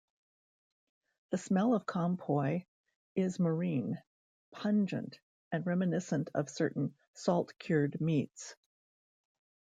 The smell of conpoy is marine, pungent, and reminiscent of certain salt-cured meats.